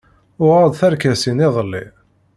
Uɣeɣ-d tarkasin iḍelli.